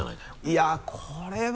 いやぁこれは。